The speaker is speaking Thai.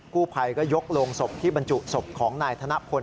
กู้ภัยก็ยกโรงศพที่บรรจุศพของนายธนพล